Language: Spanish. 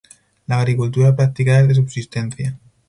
La agricultura practicada es de subsistencia.